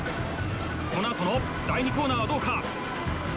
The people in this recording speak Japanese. このあとの第２コーナーはどうか？